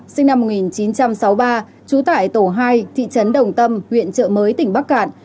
sinh năm một nghìn chín trăm sáu mươi ba trú tại tổ hai thị trấn đồng tâm huyện trợ mới tỉnh bắc cạn